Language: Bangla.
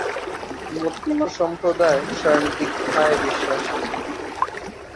মতুয়া সম্প্রদায় "স্বয়ং দীক্ষা"-য় বিশ্বাসী।